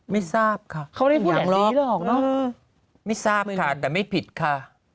ไม่ทราบค่ะไม่ทราบค่ะแต่ไม่ผิดค่ะ